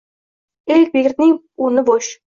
Egbertning o`rni bo`sh